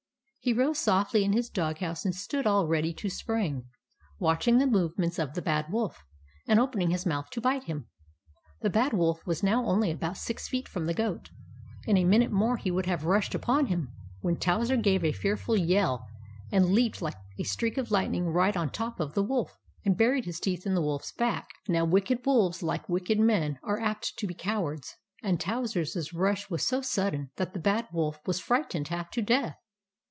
He rose softly in his dog house and stood all ready to spring, watching the movements of the Bad Wolf, and opening his mouth to bite him. The Bad Wolf was now only about six feet from the Goat; in a minute more he would have rushed upon him ; when Towser gave a fearful yell and leaped like a streak of lightning right on top of the Wolf, and buried his teeth in the Wolfs back. Now wicked wolves like wicked men are apt to be cowards, and Towser's rush was so sudden that the Bad Wolf was frightened half to death.